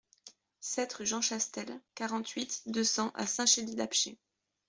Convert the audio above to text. sept rue Jean Chastel, quarante-huit, deux cents à Saint-Chély-d'Apcher